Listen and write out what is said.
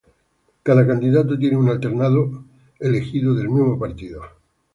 Cada candidato tiene un alternado elegido del mismo partido.